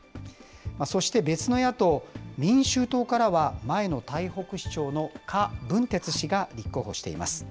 そして別の野党・民衆党からは前の台北市長の柯文哲氏が立候補しています。